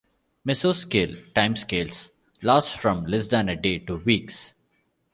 Mesoscale timescales last from less than a day to weeks.